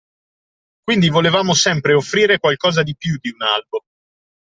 Quindi volevamo sempre offrire qualcosa di più di un albo.